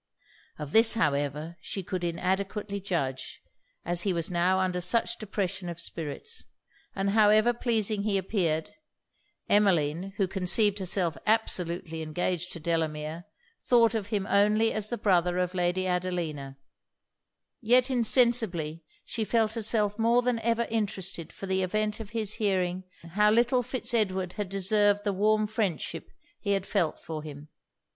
Of this, however, she could inadequately judge, as he was now under such depression of spirits: and however pleasing he appeared, Emmeline, who conceived herself absolutely engaged to Delamere, thought of him only as the brother of Lady Adelina; yet insensibly she felt herself more than ever interested for the event of his hearing how little Fitz Edward had deserved the warm friendship he had felt for him.